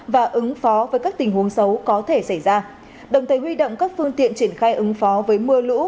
và ứng phó với các tình huống xấu có thể xảy ra đồng thời huy động các phương tiện triển khai ứng phó với mưa lũ